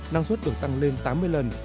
năng suất được tăng lên tám mươi lần